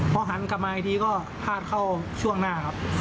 พอหันกลับมาอีกทีก็พลาดเข้าช่วงหน้าครับ